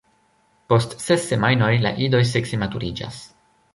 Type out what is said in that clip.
Post ses semajnoj la idoj sekse maturiĝas.